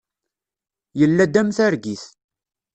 Yella-d am targit.